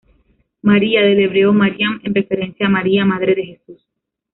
María, del hebreo Mariam, en referencia a María, madre de Jesús.